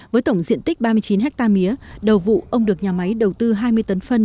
với tổng diện tích ba mươi chín ha mía đầu vụ ông được nhà máy đầu tư hai mươi tấn phân